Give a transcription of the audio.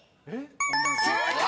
［正解！］